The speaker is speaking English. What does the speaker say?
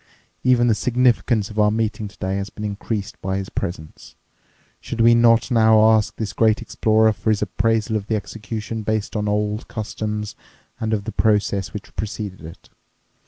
Even the significance of our meeting today has been increased by his presence. Should we not now ask this great explorer for his appraisal of the execution based on old customs and of the process which preceded it?